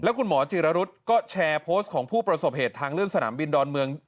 คุณหมอจีรรุษก็แชร์โพสต์ของผู้ประสบเหตุทางเลื่อนสนามบินดอนเมือง